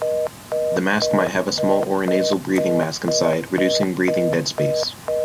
The mask might have a small orinasal breathing mask inside, reducing breathing deadspace.